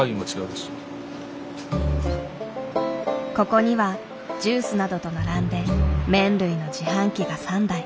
ここにはジュースなどと並んで麺類の自販機が３台。